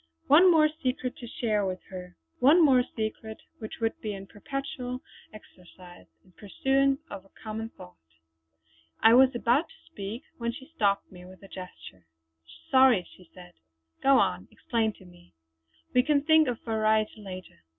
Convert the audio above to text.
One more secret to share with her; one more secret which would be in perpetual exercise, in pursuance of a common thought. I was about to speak when she stopped me with a gesture. "Sorry!" she said. "Go on; explain to me! We can think of variety later!"